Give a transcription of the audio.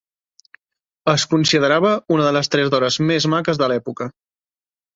Es considerava una de les tres dones més maques de l'època.